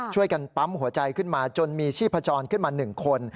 ช่วยกันปั๊มหัวใจขึ้นมาจนมีชีพจรขึ้นมา๑คน